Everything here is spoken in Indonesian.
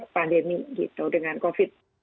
pandemi gitu dengan covid sembilan belas